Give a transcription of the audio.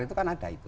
itu kan ada itu